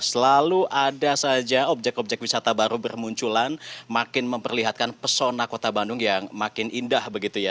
selalu ada saja objek objek wisata baru bermunculan makin memperlihatkan pesona kota bandung yang makin indah begitu ya